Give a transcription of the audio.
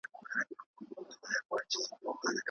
که نجونې نقشې جوړول زده کړي نو لارې به نه ورکیږي.